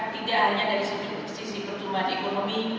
tidak hanya dari sisi pertumbuhan ekonomi